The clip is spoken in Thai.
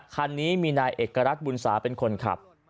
คันนี้มีนายเอกรัฐบุญสาเป็นคนขับ